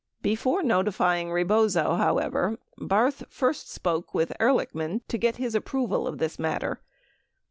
6 Before notifying Rebozo, however, Barth first spoke with Ehrlichman to get his aproval of this matter.